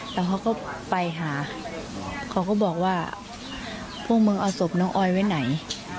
แล้วเขาก็ไปหาเขาก็บอกว่าพวกมึงเอาศพน้องออยไว้ไหน